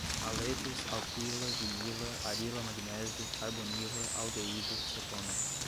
haletos, alquila, vinila, arila-magnésio, carbonila, aldeído, cetona